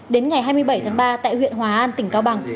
đến ngày hai mươi bảy tháng ba tại huyện hòa an tỉnh cao bằng